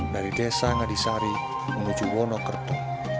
dari desa ngadisari menuju wonokerto